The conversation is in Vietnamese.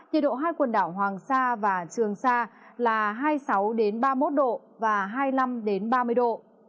nhiệt độ hai quần đảo hoàng sa và trường sa là hai mươi sáu ba mươi một độ và hai mươi năm ba mươi độ